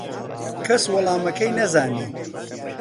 کەس وەڵامەکەی نەزانی.